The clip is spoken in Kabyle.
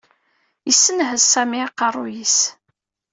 Yessenhez Sami aqerruy-is.